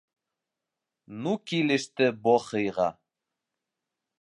— Ну килеште бохыйға!